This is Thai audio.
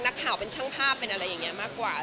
นักข่าวเป็นช่างภาพ